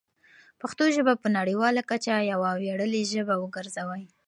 پښتو ژبه په نړیواله کچه یوه ویاړلې ژبه وګرځوئ.